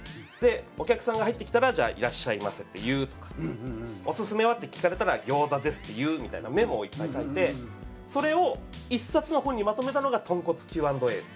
「お客さんが入ってきたらいらっしゃいませって言う」とか「オススメは？って聞かれたらギョーザですって言う」みたいなメモをいっぱい書いてそれを１冊の本にまとめたのが『とんこつＱ＆Ａ』っていう。